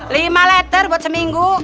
lima letter buat seminggu